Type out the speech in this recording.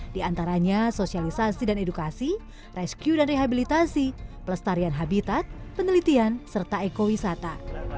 di antaranya sosialisasi dan edukasi rescue dan rehabilitasi pelestarian habitat penelitian serta ekowisata